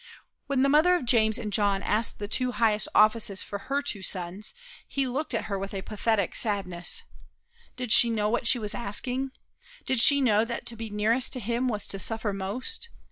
When the mother of James and John asked the highest two offices for her two sons, he looked at her with a pathetic sadness. Did she know what she was asking? Did she know that to be nearest to him was to suffer most?